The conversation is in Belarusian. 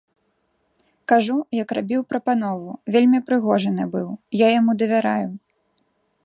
Кажу, як рабіў прапанову, вельмі прыгожы набыў, я яму давяраю.